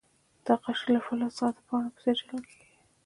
دا قشر له فلز څخه د پاڼو په څیر جلا کیږي.